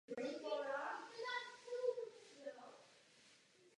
Byl členem parlamentního výboru pro ekonomické záležitosti a výboru práce.